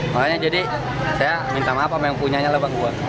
makanya jadi saya minta maaf sama yang punyanya bang